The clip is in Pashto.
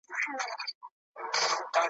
وینم د زمان په سرابو کي نړۍ بنده ده `